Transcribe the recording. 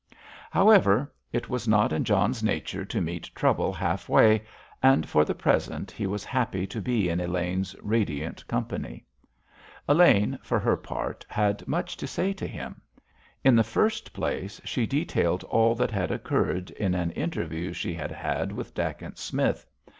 However, it was not in John's nature to meet trouble half way, and for the present he was happy to be in Elaine's radiant company. Elaine, for her part, had much to say to him; in the first place, she detailed all that had occurred in an interview she had had with Dacent Smith.